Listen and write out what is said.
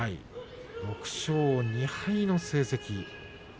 ６勝２敗の成績。